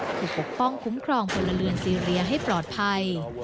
คือปกป้องคุ้มครองพลเรือนซีเรียให้ปลอดภัย